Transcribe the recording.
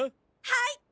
はい！